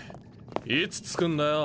いつ着くんだよ。